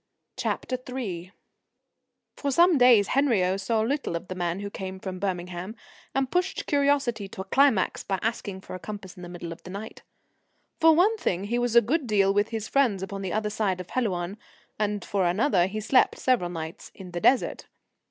III For some days Henriot saw little of the man who came from Birmingham and pushed curiosity to a climax by asking for a compass in the middle of the night. For one thing, he was a good deal with his friends upon the other side of Helouan, and for another, he slept several nights in the Desert.